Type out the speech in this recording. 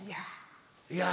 いや。